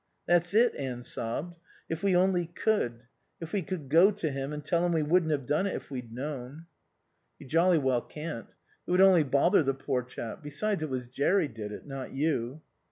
"That's it," Anne sobbed. "If we only could. If we could go to him and tell him we wouldn't have done it if we'd known." "You jolly well can't. It would only bother the poor chap. Besides, it was Jerry did it. Not you."